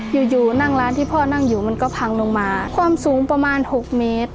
อยู่อยู่นั่งร้านที่พ่อนั่งอยู่มันก็พังลงมาความสูงประมาณหกเมตร